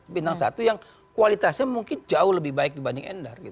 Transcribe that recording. bintang satu yang kualitasnya mungkin jauh lebih baik dibanding endar